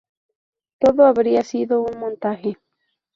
Todo habría sido un montaje.